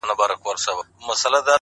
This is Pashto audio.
• میاشت لا نه وه تېره سوې چي قیامت سو,